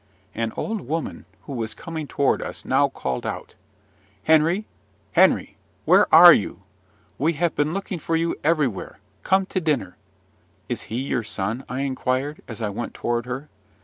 An old woman, who was coming toward us, now called out, "Henry, Henry! where are you? We have been looking for you everywhere: come to dinner." "Is he your son?" I inquired, as I went toward her.